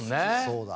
そうだ。